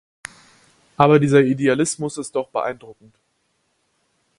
Aber dieser Idealismus ist doch beeindruckend.